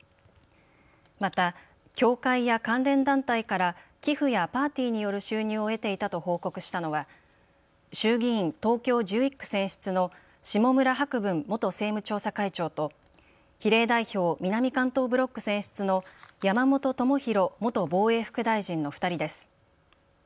また教会や関連団体から寄付やパーティーによる収入を得ていたと報告したのは衆議院東京１１区選出の下村博文元政務調査会長と比例代表南関東ブロック選出の山本朋広元防衛副大臣の２人です。